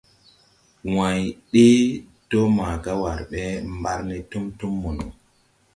Way ɗee do maaga war ɓe mbar ne tum tum mono.